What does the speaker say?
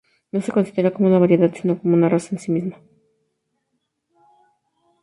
No se consideran como una variedad sino como una raza en sí misma.